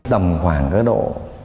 tầm khoảng cái độ